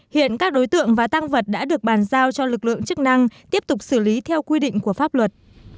hiện các đối tượng và tăng vật đã được bàn giao cho lực lượng chức năng tiếp tục xử lý theo quy định của pháp luật